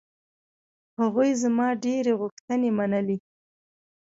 هغوی زما ډېرې غوښتنې منلې.